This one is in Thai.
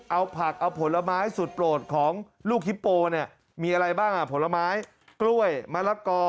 เอาผักเอาผลไม้สุดโปรดของลูกฮิปโปเนี่ยมีอะไรบ้างอ่ะผลไม้กล้วยมะละกอ